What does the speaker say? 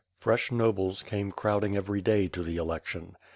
Fresh nohles came crowding every day to the election.